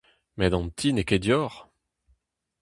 Met an ti n'eo ket deoc'h…